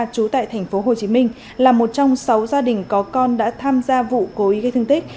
trú tại thành phố hồ chí minh là một trong sáu gia đình có con đã tham gia vụ cố ý gây thương tích